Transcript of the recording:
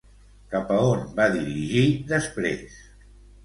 Cap a on va dirigir després?